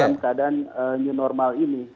dalam keadaan new normal ini